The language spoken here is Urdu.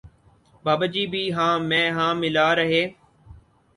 بابا جی بھی ہاں میں ہاں ملا رہے